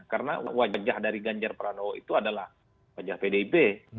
karena wajah dari ganjar pranowo itu adalah wajah pdip